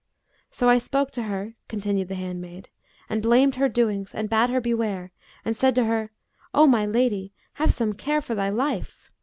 So I spoke to her' (continued the handmaid) 'and blamed her doings, and bade her beware, and said to her, 'O my lady, have some care for thy life!'